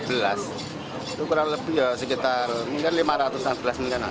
itu kurang lebih sekitar rp lima ratus tiga belas